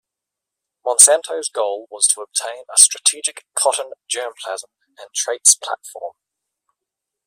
Monsanto's goal was to obtain a strategic cotton germplasm and traits platform.